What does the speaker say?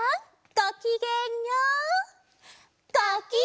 ごきげんよう！